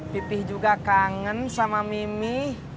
pipih juga kangen sama mimi